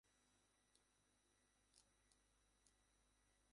Left out পজিশনে খেলতেন তিনি।